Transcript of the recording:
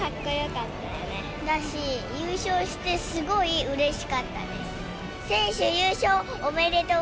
だし、優勝してすごいうれしかったです。